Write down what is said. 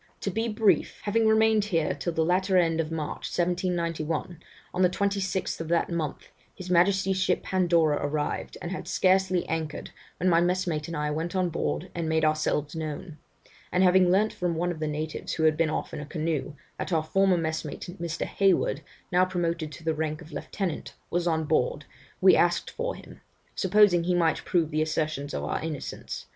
'To be brief having remained here till the latter end of March, 1791, on the 26th of that month, his Majesty's ship Pandora arrived, and had scarcely anchored, when my messmate and I went on board and made ourselves known; and having learnt from one of the natives who had been off in a canoe, that our former messmate Mr. Hayward, now promoted to the rank of lieutenant, was on board, we asked for him, supposing he might prove the assertions of our innocence.